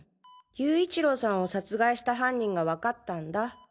勇一郎さんを殺害した犯人がわかったんだ。